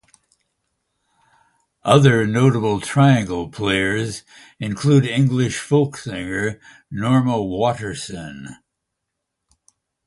Other notable triangle players include English folk singer Norma Waterson.